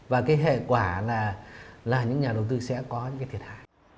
và cái hệ quả là những nhà đầu tư sẽ có những cái thiệt hại